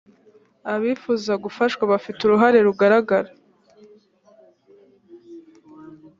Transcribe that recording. abifuza gufashwa bafite uruhare rugaragara.